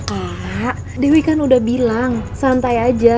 ah dewi kan udah bilang santai aja